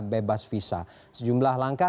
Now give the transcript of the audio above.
bebas visa sejumlah langkah